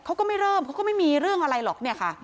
เขาก็ไม่เริ่มเขาก็ไม่มีเรื่องอะไรหรอกเนี่ยค่ะ